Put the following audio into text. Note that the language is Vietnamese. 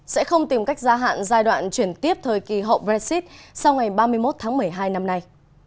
sẽ không tìm cách gia hạn giai đoạn chuyển tiếp thời kỳ hậu brexit sau ngày ba mươi một tháng một mươi hai năm nay